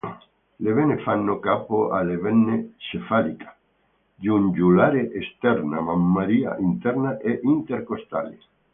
Le vene fanno capo alle vene cefalica, giugulare esterna, mammaria interna e intercostali.